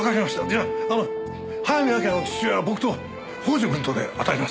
じゃああの早見明の父親は僕と北条君とで当たります。